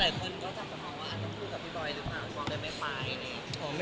แหละคุณก็จะไปฟังว่าอันทบุรีกับพี่โดยจะผ่านมาได้ไหมไป